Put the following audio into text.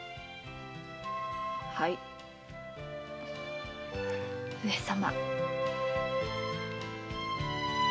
はい上様。